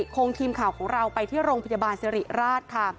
คงทีมข่าวของเราไปที่โรงพยาบาลสิริราชค่ะ